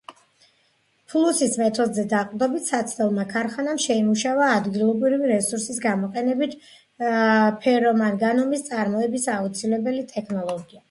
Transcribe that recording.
ფლუსის მეთოდზე დაყრდნობით საცდელმა ქარხანამ შეიმუშავა ადგილობრივი რესურსების გამოყენებით ფერომანგანუმის წარმოებისათვის აუცილებელი ტექნოლოგია.